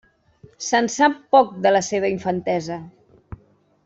Se'n sap poc de la seva infantesa.